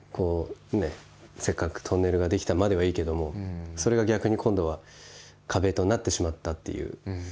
せっかくトンネルが出来たまではいいけどもそれが逆に今度は壁となってしまったっていう。